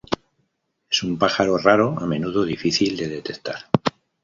Es un pájaro raro a menudo difícil de detectar.